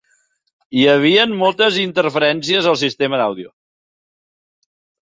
Hi havien moltes interferència al sistema d'àudio.